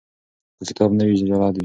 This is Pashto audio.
که کتاب نه وي جهالت وي.